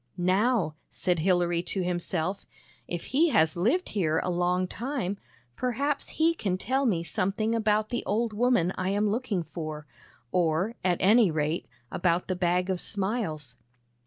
" Now," said Hilary to himself, " if he has lived here a long time, perhaps he can tell me something about the old woman I am looking for, or, at any rate, about the Bag of Smiles."